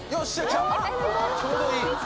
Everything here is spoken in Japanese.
ちょうどいい。